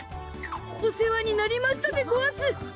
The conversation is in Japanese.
おせわになりましたでごわす！